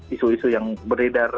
isu isu yang beredar